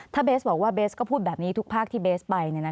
ถ้าเบสบอกว่าเบสก็พูดแบบนี้ทุกภาคที่เบสไป